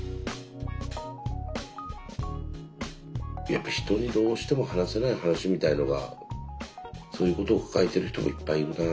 やっぱ人にどうしても話せない話みたいのがそういうことを抱えてる人もいっぱいいるなっていう。